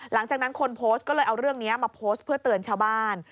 หลังจากนั้นคนโพสต์ก็เลยเอาเรื่องนี้มาโพสต์เพื่อเตือนชาวบ้าน